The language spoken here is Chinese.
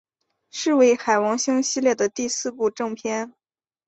是为海王星系列的第四部正篇。